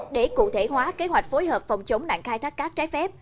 để cụ thể hóa kế hoạch phối hợp phòng chống nạn khai thác cát trái phép